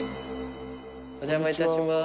お邪魔いたします。